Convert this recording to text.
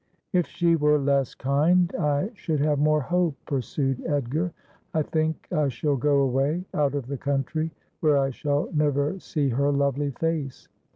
' If she were less kind I should have more hope,' pursued Edgar. ' I think I shall go away— out of the country — where I shall never see her lovely face.